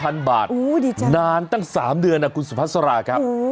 โอ้โฮดีจังนานตั้ง๓เดือนนะคุณสุภัสราครับ